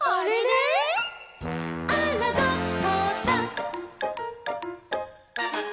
「あらどこだ」